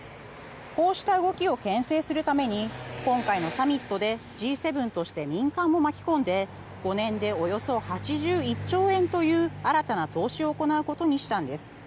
こうした動きを牽制するために今回のサミットでＧ７として民間を巻き込んで５年でおよそ８１兆円という新たな投資を行うことにしたんです。